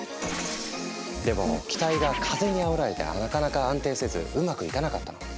でも機体が風にあおられてなかなか安定せずうまくいかなかったの。